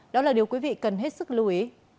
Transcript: đó là điều quý vị cần hết sức lưu ý